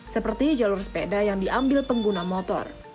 seperti jalur sepeda yang diambil pengguna motor